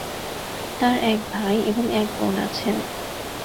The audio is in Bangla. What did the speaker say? তার এক ভাই এবং এক বোন আছেন।